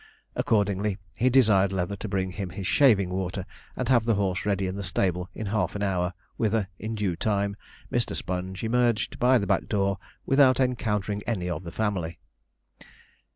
Accordingly, he desired Leather to bring him his shaving water, and have the horse ready in the stable in half an hour, whither, in due time, Mr. Sponge emerged by the back door, without encountering any of the family.